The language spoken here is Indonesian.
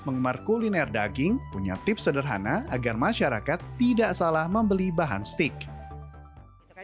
penggemar kuliner daging punya tips sederhana agar masyarakat tidak salah membeli bahan steak